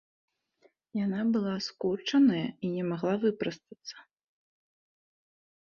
Яна была скурчаная і не магла выпрастацца.